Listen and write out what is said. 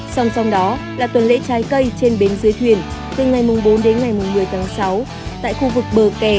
song song đó là tuần lễ trái cây trên bến dưới thuyền từ ngày bốn đến ngày một mươi tháng sáu tại khu vực bờ kè